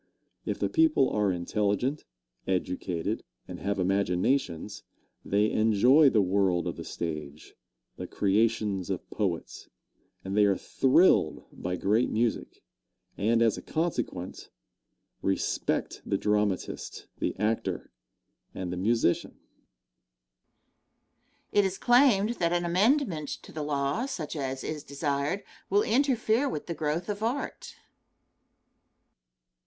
If the people are intelligent, educated, and have imaginations, they enjoy the world of the stage, the creations of poets, and they are thrilled by great music, and, as a consequence, respect the dramatist, the actor and the musician. Question. It is claimed that an amendment to the law, such as is desired, will interfere with the growth of art?